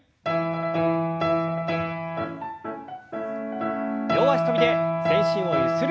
両脚跳びで全身をゆする運動から。